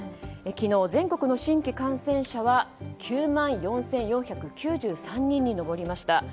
昨日、全国の新規感染者は９万４４９３人に上りました。